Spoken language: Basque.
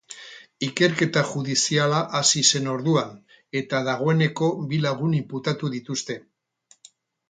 Ikerketa judiziala hasi zen orduan, eta dagoeneko bi lagun inputatu dituzte.